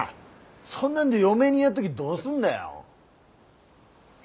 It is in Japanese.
そんなんで嫁にやっとぎどうすんだよ。